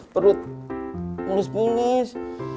perut mulus pulis